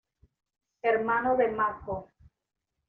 Hermano de Mako.